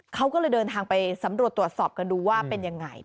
เขาก็เลยเดินทางไปสำรวจตรวจสอบกันดูว่าเป็นยังไง